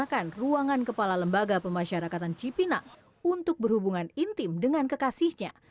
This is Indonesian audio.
menggunakan ruangan kepala lembaga pemasyarakatan cipinang untuk berhubungan intim dengan kekasihnya